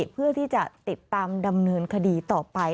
เพื่อที่จะติดตามดำเนินคดีต่อไป